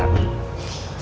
aku mau ke rumah rara